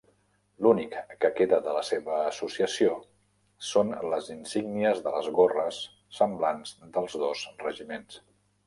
L'únic que queda de la seva associació són les insígnies de les gorres semblants dels dos regiments.